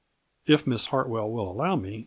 " If Miss Hartwell will allow me ?